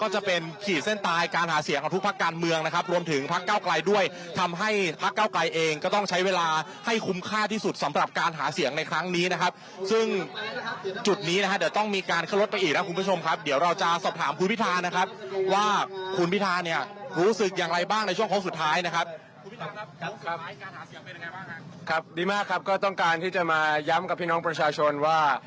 ให้พักเก้าไกรเองก็ต้องใช้เวลาให้คุ้มค่าที่สุดสำหรับการหาเสียงในครั้งนี้นะครับซึ่งจุดนี้นะครับเดี๋ยวต้องมีการเข้ารถไปอีกนะคุณผู้ชมครับเดี๋ยวเราจะสอบถามคุณพิทานะครับว่าคุณพิทาเนี่ยรู้สึกอย่างไรบ้างในช่วงของสุดท้ายนะครับครับดีมากครับก็ต้องการที่จะมาย้ำกับพี่น้องประชาชนว่า